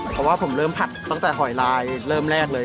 เพราะว่าผมเริ่มผัดตั้งแต่หอยลายเริ่มแรกเลย